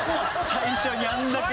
最初にあれだけ。